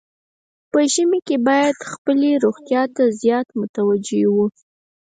په ژمي کې باید خپلې روغتیا ته زیات متوجه وو.